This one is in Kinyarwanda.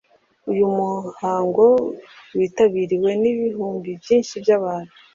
Uyu muhango w’itabiriwe n’ibihumbi byinshi by’abantu,